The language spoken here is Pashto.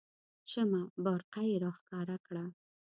شمه بارقه یې راښکاره کړه.